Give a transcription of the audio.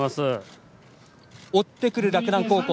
追ってくる洛南高校。